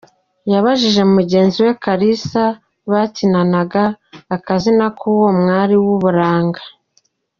Yabajije mugenzi we Kalisa bakinanaga akazina k’uwo mwari w’uburanga .